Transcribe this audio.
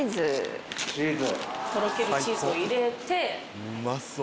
とろけるチーズを入れて。